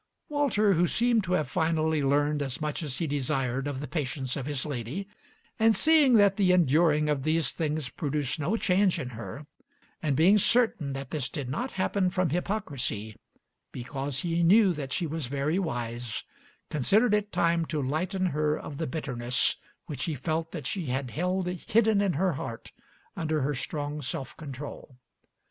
Walter, who seemed to have finally learned as much as he desired of the patience of his lady, and seeing that the enduring of these things produced no change in her, and being certain that this did not happen from hypocrisy, because he knew that she was very wise, considered it time to lighten her of the bitterness which he felt that she held hidden in her heart under her strong self control.